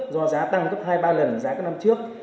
do giá tăng cấp hai ba lần giá năm trước